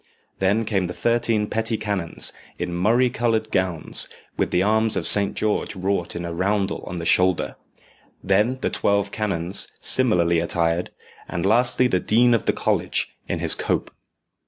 Then came the thirteen petty canons, in murrey coloured gowns, with the arms of Saint George wrought in a roundel on the shoulder; then the twelve canons, similarly attired; and lastly the dean of the college, in his cope.